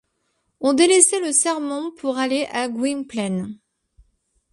On délaissait le sermon pour aller à Gwynplaine.